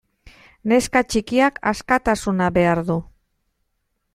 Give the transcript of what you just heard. Neska txikiak askatasuna behar du.